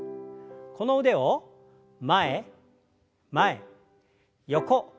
この腕を前前横横。